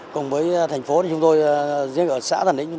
cùng với thành phố chúng tôi riêng ở xã tản lính